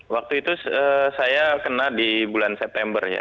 waktu itu saya kena di bulan september ya